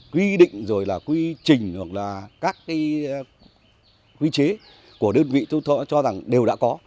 quy định rồi là quy trình hoặc là các cái quy chế của đơn vị tôi cho rằng đều đã có